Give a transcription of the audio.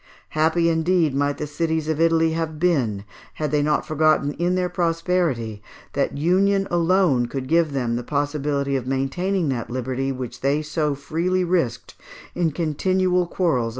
Happy indeed might the cities of Italy have been had they not forgotten, in their prosperity, that union alone could give them the possibility of maintaining that liberty which they so freely risked in continual quarrels amongst one another!